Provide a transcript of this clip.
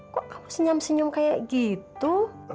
kok aku senyam senyum kayak gitu